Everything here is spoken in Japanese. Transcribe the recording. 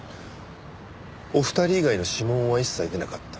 お二人以外の指紋は一切出なかった。